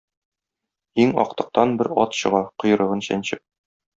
Иң актыктан бер ат чыга койрыгын чәнчеп.